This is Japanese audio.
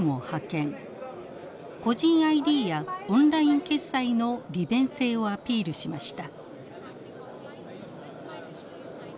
個人ＩＤやオンライン決済の利便性をアピールしました。